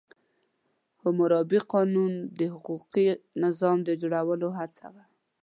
حموربي قانون د حقوقي نظام د جوړولو هڅه وه.